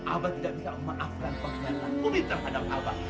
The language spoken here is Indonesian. abang tidak bisa memaafkan pengkhianat umi terhadap abang